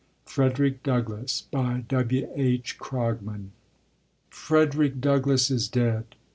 FREDERICK DOUGLASS W. H. CROGMAN Frederick Douglass is dead!